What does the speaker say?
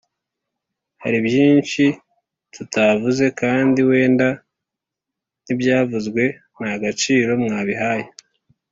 hari byinshi tutavuze. kandi wenda n'ibyavuzwe ntagaciro mwabihaye